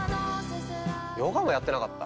ヨガもやってなかった？